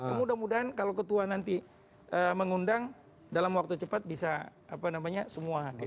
kemudian mudian kalau ketua nanti mengundang dalam waktu cepat bisa semua hadir